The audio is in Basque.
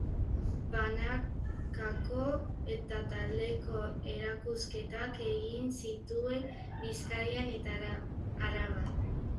Banakako eta taldeko erakusketak egin zituen Bizkaian eta Araban.